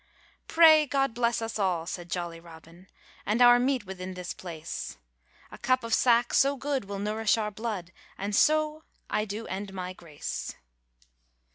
'Pray God bless us all,' said jolly Robin, 'And our meat within this place; A cup of sack so good will nourish our blood, And so I do end my grace.